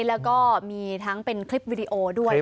แล้วก็มีทั้งเป็นคลิปวิดีโอด้วย